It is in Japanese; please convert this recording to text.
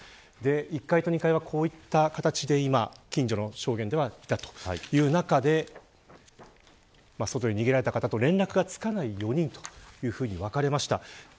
１階と２階はこういった形で近所の証言ではなっていたという形で外へ逃げられた方と連絡がつかない４人と分かりました。